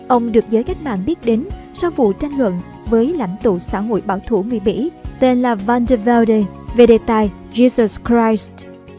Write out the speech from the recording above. ông được giới các bạn biết đến sau vụ tranh luận với lãnh tụ xã hội bảo thủ người mỹ tên là vandervelde về đề tài jesus christ